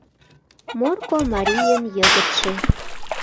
Морко марийын йыгытше